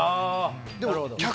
でも。